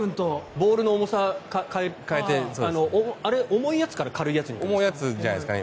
ボールの重さを変えてあれ、重いやつから軽いやつなんですか？